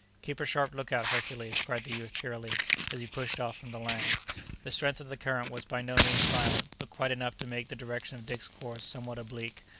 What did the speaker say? "Keep a sharp look out, Hercules!" cried the youth cheerily, as he pushed off from the land. The strength of the current was by no means violent, but quite enough to make the direction of Dick's course somewhat oblique.